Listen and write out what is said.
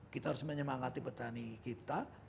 kita harus menyemangati petani kita